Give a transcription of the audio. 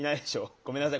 ごめんなさい。